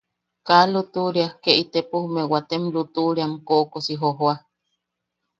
Kaa lutuʼuria ke itepo ume waatem lutuʼuriam koʼokosi jojooa.